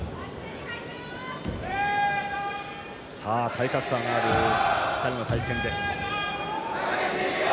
体格差がある２人の対戦です。